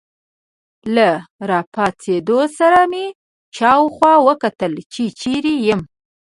له راپاڅېدو سره مې شاوخوا وکتل، چې چیرې یم.